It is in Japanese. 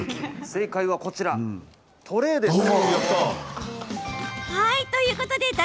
正解は、こちらトレーです！